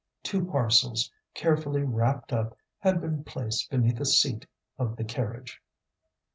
Two parcels, carefully wrapped up, had been placed beneath a seat of the carriage.